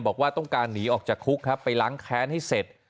บอกว่าต้องการหนีออกจากคุกครับไปล้างแค้นให้เสร็จ